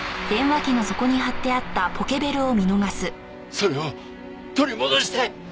それを取り戻したい。